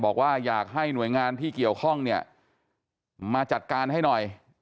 บอกว่าอยากให้หน่วยงานที่เกี่ยวข้องเนี่ยมาจัดการให้หน่อย